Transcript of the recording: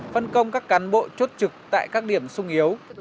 phân công các cán bộ chốt trực tại các điểm sung yếu